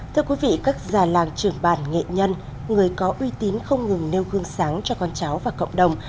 thưa quý vị các già làng trưởng bản nghệ nhân người có uy tín không ngừng nêu gương sáng cho con cháu và cộng đồng